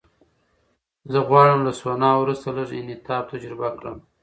زه غواړم له سونا وروسته لږ انعطاف تجربه کړم.